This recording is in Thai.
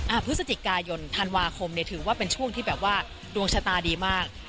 พฤศจิกายนธันวาคมเนี่ยถือว่าเป็นช่วงที่แบบว่าดวงชะตาดีมาก